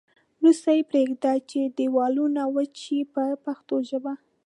وروسته یې پرېږدي چې دېوالونه وچ شي په پښتو ژبه.